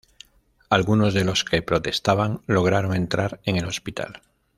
Algunos de los que protestaban lograron entrar en el hospital.